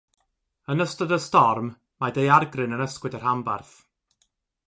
Yn ystod y storm, mae daeargryn yn ysgwyd y rhanbarth.